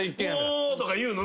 「もう」とか言うの？